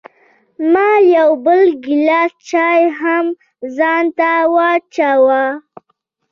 ما یو بل ګیلاس چای هم ځان ته واچوه.